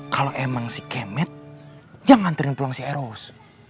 kalau emang si kemet yang nganterin pulang si eros